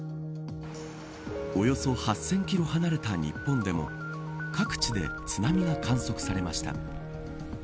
およそ８０００キロ離れた日本でも各地で津波が観測されました。